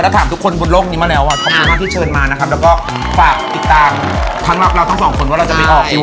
ชุดเนี้ยมันเหมาะกับการยืนมันเหมือนแบบ